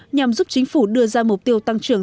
nhằm giúp chính phủ đạt được mục tiêu tăng trưởng